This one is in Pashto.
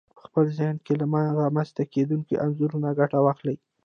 په خپل ذهن کې له رامنځته کېدونکو انځورونو ګټه واخلئ.